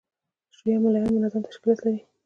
شیعه مُلایان منظم تشکیلات لري.